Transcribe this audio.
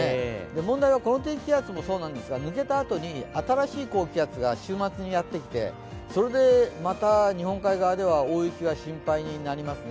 問題はこの低気圧もそうなんですが抜けたあとに新しい高気圧が週末にやってきて、それでまた日本海側では大雪が心配になりますね。